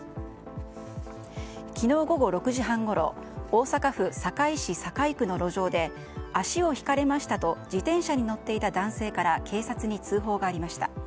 昨日午後６時半ごろ大阪府堺市堺区の路上で足をひかれましたと自転車に乗っていた男性から警察に通報がありました。